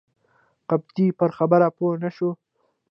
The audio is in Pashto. قبطي پر خبره پوی نه شو.